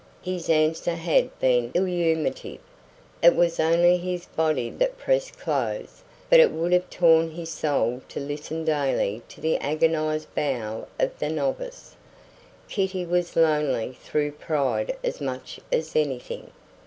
His answer had been illuminative. It was only his body that pressed clothes; but it would have torn his soul to listen daily to the agonized bow of the novice. Kitty was lonely through pride as much as anything.